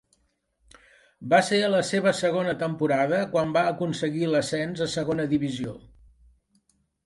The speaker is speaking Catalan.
Va ser a la seva segona temporada quan va aconseguir l'ascens a Segona Divisió.